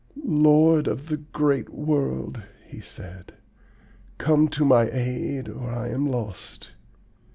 "'Lord of the great world,' he said, 'come to my aid or I am lost.